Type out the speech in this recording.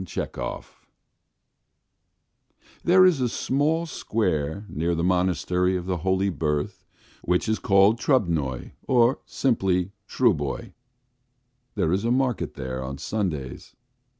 THE BIRD MARKET THERE is a small square near the monastery of the Holy Birth which is called Trubnoy, or simply Truboy; there is a market there on Sundays.